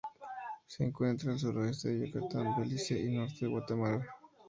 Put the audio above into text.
Se encuentra al suroeste del Yucatán, Belice y el norte de Guatemala.